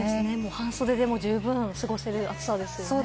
半袖でも十分に過ごせる暑さですよね。